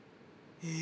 え